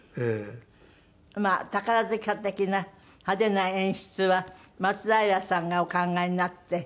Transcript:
まあ宝塚的な派手な演出は松平さんがお考えになって。